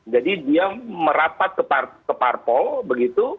jadi dia merapat ke parpol begitu